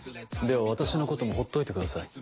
では私のこともほっといてください。